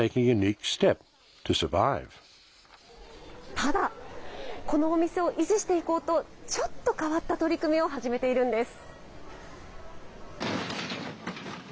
ただ、このお店を維持していこうと、ちょっと変わった取り組みを始めているんです。